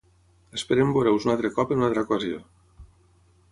Esperem veure-us un altre cop en una altre ocasió.